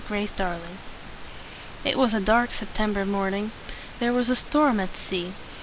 GRACE DARLING. It was a dark Sep tem ber morning. There was a storm at sea.